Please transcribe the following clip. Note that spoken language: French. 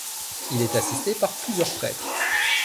Il est assisté par plusieurs prêtres.